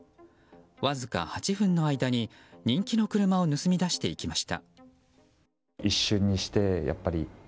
わずか８分の間に人気の車を盗み出していきました。